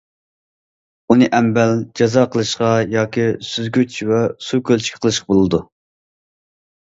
ئۇنى ئەمبەل، جازا قىلىشقا ياكى سۈزگۈچ ۋە سۇ كۆلچىكى قىلىشقا بولىدۇ.